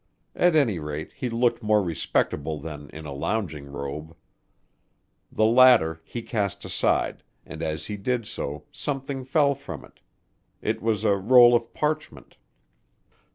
At any rate, he looked more respectable than in a lounging robe. The latter he cast aside, and as he did so something fell from it. It was a roll of parchment.